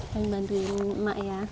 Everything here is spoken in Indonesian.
yang bantuin emak ya